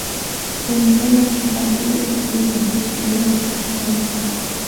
Se inició en las infantiles del club Defensor Chileno, de la Asociación Lo Franco.